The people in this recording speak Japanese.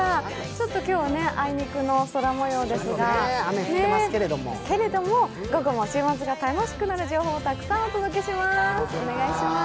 ちょっと今日はあいにくの空もようですけれども、午後も週末が楽しくなる情報をたくさんお届けします！